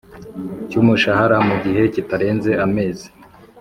cy umushahara mu gihe kitarenze amezi